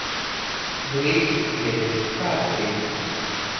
Drīz tiks ieviesta kārtība.